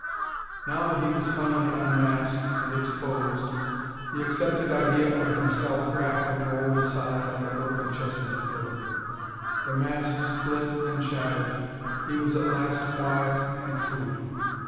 Now that he was finally unmasked and exposed, the accepted idea of himself cracked and rolled aside like a broken chestnut burr, the mask split and shattered, he was at last quiet and free.